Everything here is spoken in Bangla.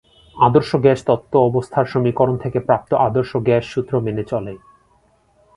আদর্শ গ্যাস তত্ত্ব অবস্থার সমীকরণ থেকে প্রাপ্ত আদর্শ গ্যাস সূত্র মেনে চলে।